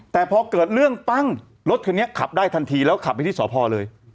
แต่พอเกิดเรื่องปั้งรถคันนี้ขับได้ทันทีแล้วขับไปที่สพเลย